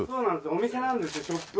お店なんですよショップ。